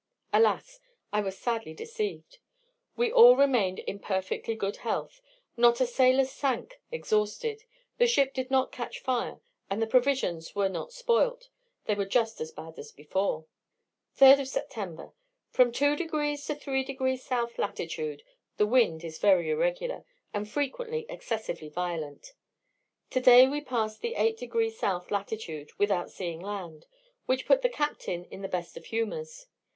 Alas! I was sadly deceived. We all remained in perfectly good health; not a sailor sank exhausted; the ship did not catch fire; and the provisions were not spoilt they were just as bad as before. 3rd September. From 2 to 3 degrees South latitude the wind is very irregular, and frequently excessively violent. Today we passed the 8 degrees South latitude, without seeing land, which put the captain in the best of humours.